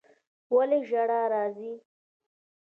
ولي ژړا راځي